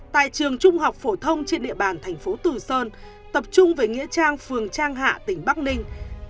tại trường trung học phổ thông trên địa bàn thành phố từ sơn tập trung về nghĩa trang phường trang hạ tỉnh bắc ninh